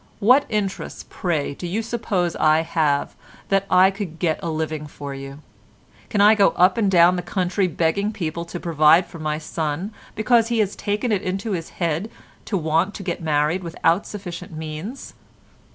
What interest, pray, do you suppose I have that I could get a living for you? Can I go up and down the country begging people to provide for my son because he has taken it into his head to want to get married without sufficient means?